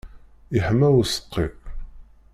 Iḥma useqqi.